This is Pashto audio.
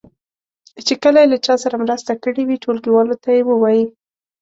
چې کله یې له چا سره مرسته کړې وي ټولګیوالو ته یې ووایي.